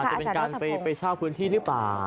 อาจารย์รัฐภงอาจจะเป็นการไปเช่าพื้นที่หรือเปล่า